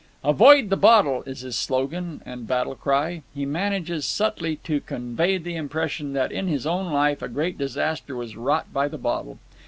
"Avoid the bottle" is his slogan and battle cry. He manages subtly to convey the impression that in his own life a great disaster was wrought by the bottle.